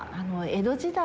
江戸時代？